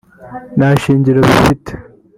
nta shingiro bifite